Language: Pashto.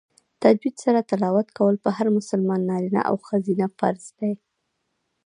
تجوید سره تلاوت کول په هر مسلمان نارینه او ښځینه فرض دی